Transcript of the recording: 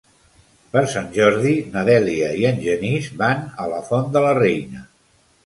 Per Sant Jordi na Dèlia i en Genís van a la Font de la Reina.